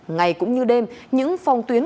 ngày cũng như đêm những phong tuyến